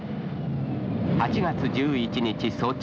８月１１日早朝。